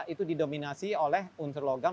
itu didominasi oleh unsur logam